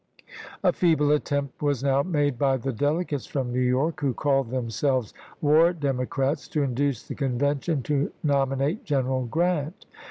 A feeble attempt was now made by the delegates from New York, who called themselves "War Demo crats," to induce the Convention to nominate Gen eral Grant.